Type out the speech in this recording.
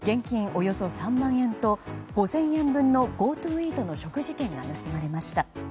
およそ３万円と５０００円分のＧｏＴｏイートの食事券が盗まれました。